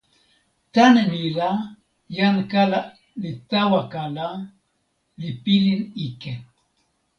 tan ni la, jan kala li tawa kala, li pilin ike.